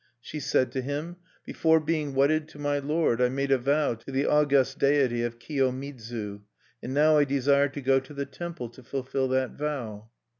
She said to him: "Before being wedded to my lord, I made a vow to the August Deity of Kiyomidzu; and now I desire to go to the temple to fulfill that vow."